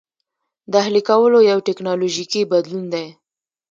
د اهلي کولو یو ټکنالوژیکي بدلون دی.